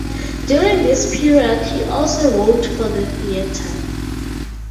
During this period he also wrote for the theatre.